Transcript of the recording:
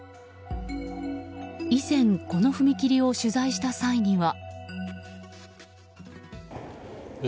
以前この踏切を取材した際には。